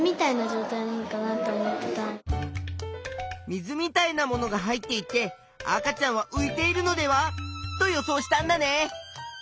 水みたいなものが入っていて赤ちゃんは浮いているのではと予想したんだね。